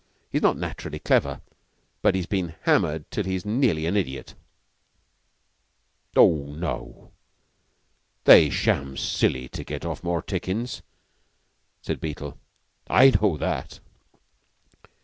He's not naturally clever, but he has been hammered till he's nearly an idiot." "Oh, no. They sham silly to get off more tickings," said Beetle. "I know that."